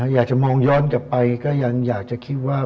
อยากจะมองย้อนกลับไปก็ยังอยากจะคิดว่า